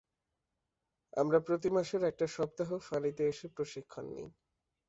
আমরা প্রতিমাসের একটা সপ্তাহয় ফাঁড়িতে এসে প্রশিক্ষণ নেই।